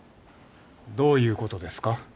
どういうことですか？